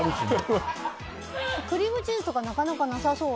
クリームチーズとかなかなかなさそう。